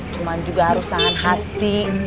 cuma juga harus tahan hati